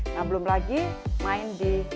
nah belum lagi main di